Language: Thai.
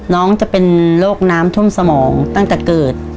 น้องจะเป็นโรคน้ำท่วมสมองตั้งแต่เกิด